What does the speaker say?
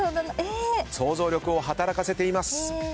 想像力を働かせています。